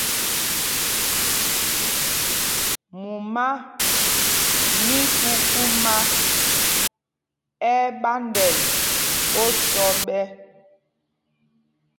Mumá mí kukumá ɛ́ ɛ́ ɓandɛl osɔ ɓɛ́.